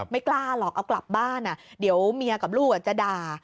ไม่กล้าหรอกเอากลับบ้านเดี๋ยวเมียกับลูกจะด่า